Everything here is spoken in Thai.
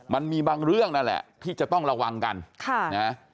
มันมีบางเรื่องนั่นแหละที่จะต้องระวังกันค่ะนะ